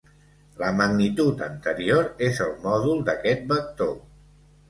La magnitud anterior és el mòdul d'aquest vector.